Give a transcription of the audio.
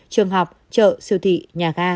trường học chợ siêu thị nhà ga